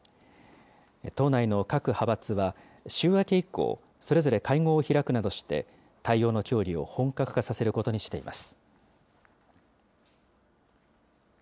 党内の各派閥は、週明け以降、それぞれ会合を開くなどして、対応の協議を本格化させることにしています。